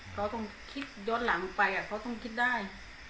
เขาต้องคิดย้อนหลังไปเขาต้องคิดได้